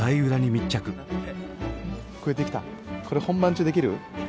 これ本番中できる？